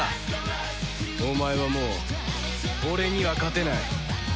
お前はもう俺には勝てない。